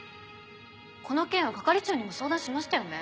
この件は係長にも相談しましたよね？